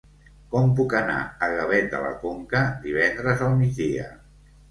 Com puc anar a Gavet de la Conca divendres al migdia?